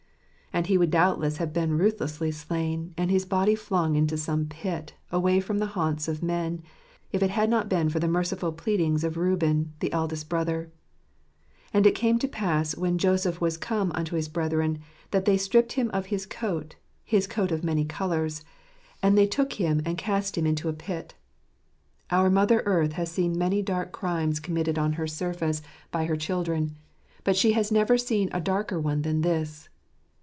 And he would doubtless have been ruthlessly slain, and his body flung into some pit, awaj from the haunts of men, if it had not been for the mercifik pleadings of Reuben, the eldest brother. "And it came to pass, when Joseph was come unto his brethren, that they stripped him of his coat, his coat of many colours, and they took him, and cast him into a pit." Our mother earth has seen many dark crimes committed on her surface by 24 W* flit her children j but she has never seen a darker one than this.